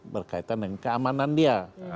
berkaitan dengan keamanan dia